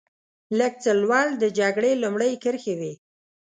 لږ څه لوړ د جګړې لومړۍ کرښې وې.